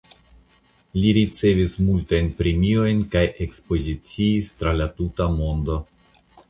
Li ricevis multajn premiojn kaj ekspoziciis tra la tuta mondo.